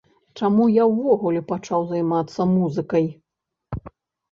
Чаму я ўвогуле пачаў займацца музыкай?